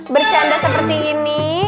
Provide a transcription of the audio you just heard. bercanda seperti ini